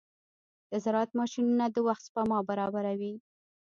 د زراعت ماشينونه د وخت سپما برابروي.